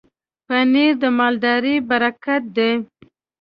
پنېر د مالدارۍ برکت دی.